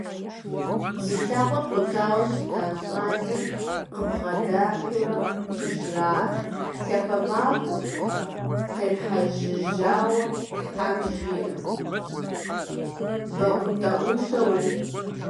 Зи лъакъуэр къутауэ щыта щӀалэм къыбгъэдыхьэурэ къыжраӏэрт: «Лъапэ махуэ къепхьэжьэжауэ тхьэм жиӀэ. БэӀутӀэӀуншэ ухъу».